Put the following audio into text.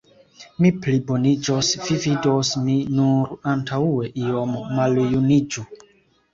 Mi pliboniĝos, vi vidos, mi nur antaŭe iom maljuniĝu!